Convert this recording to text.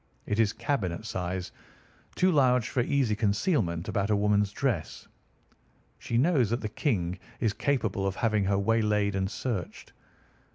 It is cabinet size. Too large for easy concealment about a woman's dress. She knows that the King is capable of having her waylaid and searched.